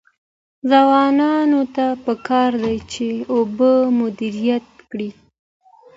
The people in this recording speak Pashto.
ځوانانو ته پکار ده چې، اوبه مدیریت کړي.